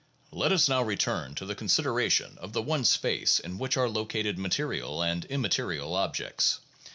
Let us now return to the consideration of the one space in which are located material and immaterial objects.